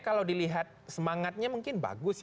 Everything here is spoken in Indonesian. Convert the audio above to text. kalau dilihat semangatnya mungkin bagus ya